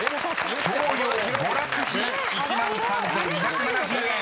［「教養娯楽費」１万３，２７０円］